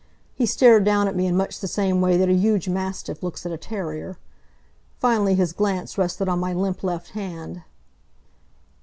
He stared down at me in much the same way that a huge mastiff looks at a terrier. Finally his glance rested on my limp left hand.